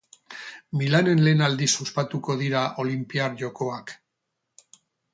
Milanen lehen aldiz ospatuko dira Olinpiar Jokoak.